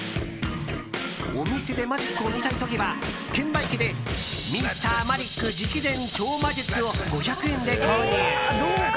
お店でマジックを見たい時は券売機で「Ｍｒ．マリック直伝超魔術」を５００円で購入。